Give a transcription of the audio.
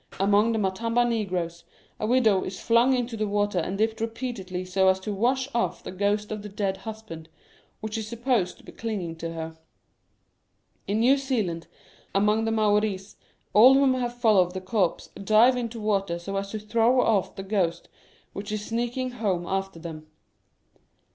Among the Matamba negroes a widow is flung into the water and dipped repeatedly so as to wash off* the ghost of the dead husband, which is supposed to be clinging to her. In New Zealand, among the Maoris, all who have followed the corpse dive into water so as to throw off* the ghost which is sneaking home after them.